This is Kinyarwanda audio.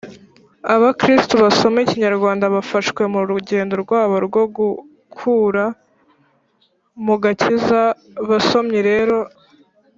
abakristo basoma ikinyarwanda bafashwe mu rugendo rwabo rwo gukura mu gakiza. Basomyi rero,